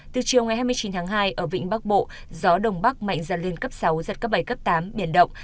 từ chiều ngày hai mươi chín tháng hai ở vĩnh bắc bộ gió đông bắc mạnh dần lên cấp sáu giật cấp bảy cấp tám biển động